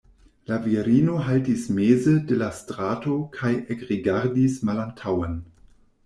La virino haltis meze de la strato kaj ekrigardis malantaŭen.